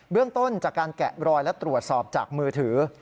เรื่องต้นจากการแกะรอยและตรวจสอบจากมือถือ